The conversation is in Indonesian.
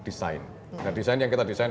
design nah design yang kita design